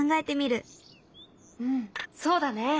うんそうだね。